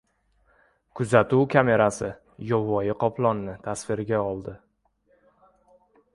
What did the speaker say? Kuzatuv kamerasi yovvoyi qoplonni tasvirga oldi